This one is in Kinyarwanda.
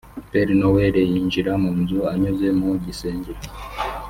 Père Noël yinjira mu nzu anyuze mu gisenge